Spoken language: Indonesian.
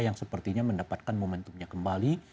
yang sepertinya mendapatkan momentumnya kembali